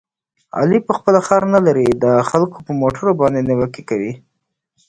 علي په خپله خر نه لري، د خلکو په موټرو باندې نیوکې کوي.